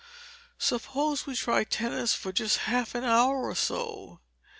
Suppose we try the tennis for just half an hour or so?